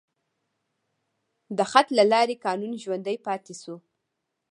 د خط له لارې قانون ژوندی پاتې شو.